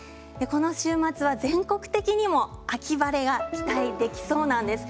この週末は全国的にも秋晴れが期待できそうです。